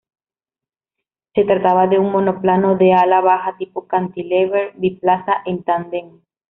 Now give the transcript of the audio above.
Se trataba de un monoplano de ala baja tipo cantilever, biplaza en tándem.